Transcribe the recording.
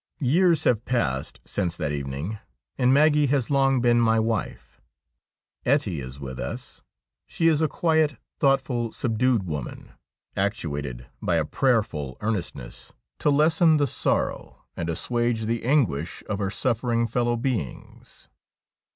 Years have passed since that evening, and Maggie has long been my wife. Ettie is with us. She is a quiet, thoughtful, subdued woman, actuated by a prayerful earnest ness to lessen the sorrow and assuage the anguish of her suffering fellow beings.